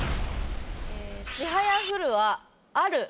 「ちはやふる」はある。